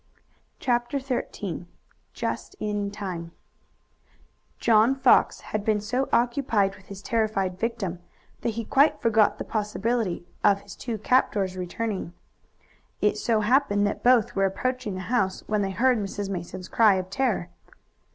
CHAPTER XIII JUST IN TIME John Fox had been so occupied with his terrified victim that he quite forgot the possibility of his two captors returning. It so happened that both were approaching the house when they heard Mrs. Mason's cry of terror.